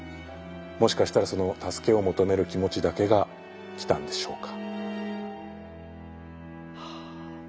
もしかしたらその助けを求める気持ちだけが来たんでしょうか。